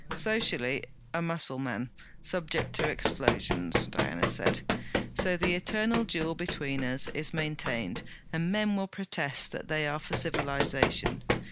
'Socially a Mussulman, subject to explosions!' Diana said. 'So the eternal duel between us is maintained, and men will protest that they are for civilization.